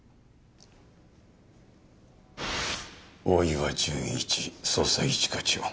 大岩純一捜査一課長。